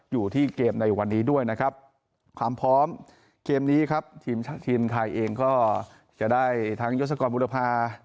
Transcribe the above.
อยู่ที่เกมในวันนี้ด้วยนะครับความพร้อมเกมนี้ครับทีมทีมไทยเองก็จะได้ทั้งยศกรบุรพา